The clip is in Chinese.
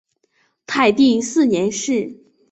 泰定四年事。